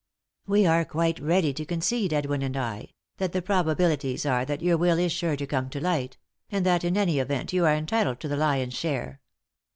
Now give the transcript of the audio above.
" We are quite ready to concede, Edwin and I, that the probabilities are that your will is sure to come to light ; and that, in any event, you are entitled to the lion's share.